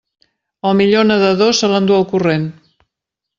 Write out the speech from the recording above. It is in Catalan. Al millor nadador se l'endú el corrent.